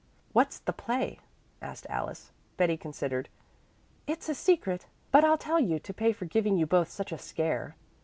"What's the play?" asked Alice. Betty considered. "It's a secret, but I'll tell you to pay for giving you both such a scare.